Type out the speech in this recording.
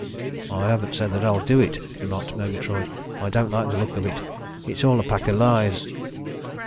"I haven't said that I'll do it," remarked Murgatroyd. "I don't like the looks of it. It's all a pack of lies."